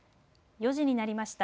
４時になりました。